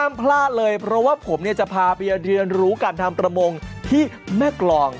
พลาดเลยเพราะว่าผมเนี่ยจะพาไปเรียนรู้การทำประมงที่แม่กรอง